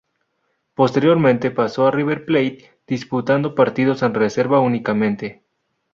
Posteriormente pasó a River Plate disputando partidos en reserva únicamente.